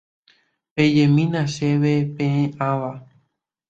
pejemína chéve peẽ ava